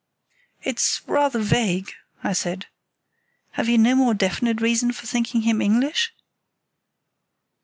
"It's rather vague," I said. "Have you no more definite reason for thinking him English?"